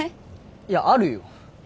いやあるよ。